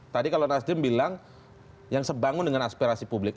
tadi kalau nasdem bilang yang sebangun dengan aspirasi publik